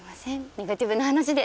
ネガティブな話で。